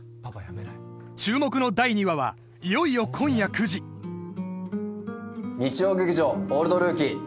注目の第２話はいよいよ今夜９時日曜劇場「オールドルーキー」